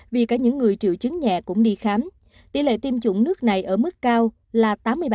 với những người triệu chứng nhẹ cũng đi khám tỷ lệ tiêm chủng nước này ở mức cao là tám mươi bảy